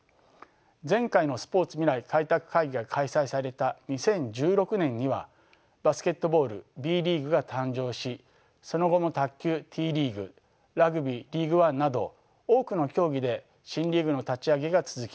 前回のスポーツ未来開拓会議が開催された２０１６年にはバスケットボールＢリーグが誕生しその後も卓球Ｔリーグラグビーリーグワンなど多くの競技で新リーグの立ち上げが続きました。